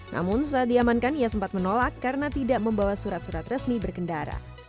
namun saat diamankan ia sempat menolak karena tidak membawa surat surat resmi berkendara